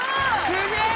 すげえ！